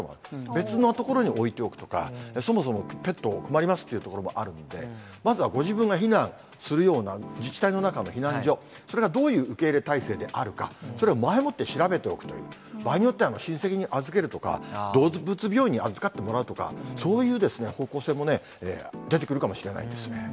別の所に置いておくとか、そもそもペット困りますっていうところもあるんで、まずはご自分が避難するような自治体の中の避難所、それがどういう受け入れ態勢であるか、それを前もって調べておくという、場合によっては親戚に預けるとか、動物病院に預かってもらうとか、そういう方向性も出てくるかもしれないですね。